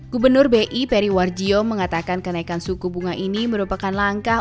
gubernur bi periwarjio mengatakan kenaikan suku bunga ini merupakan langkah